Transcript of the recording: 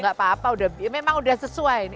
gak apa apa memang udah sesuai